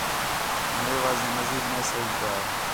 میوا مزید نے ساہیجدا